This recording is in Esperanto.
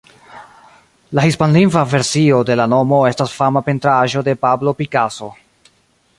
La hispanlingva versio de la nomo estas fama pentraĵo de Pablo Picasso.